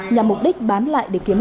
nhằm mục đích bán lại để kiếm lời